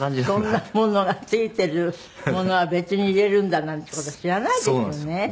そんなものが付いてるものは別に入れるんだなんて事知らないですよね。